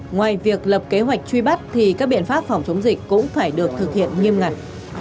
ngoài việc lập kế hoạch truy bắt thì các biện pháp phòng chống dịch cũng phải được thực hiện nghiêm ngặt